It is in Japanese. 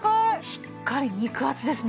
しっかり肉厚ですね。